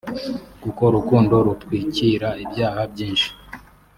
kuko urukundo rutwikira ibyaha byinshi…”